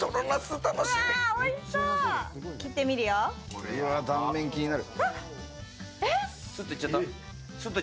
これは断面気になる！